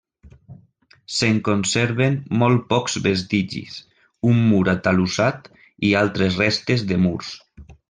Se'n conserven molt pocs vestigis: un mur atalussat i altres restes de murs.